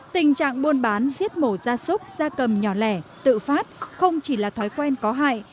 tình trạng buôn bán giết mổ da súc da cầm nhỏ lẻ tự phát không chỉ là thói quen có hại